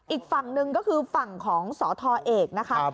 อีกฝั่งหนึ่งก็คือฝั่งของสทเอกนะคะ